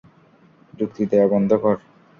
যুক্তি দেয়া বন্ধ কর।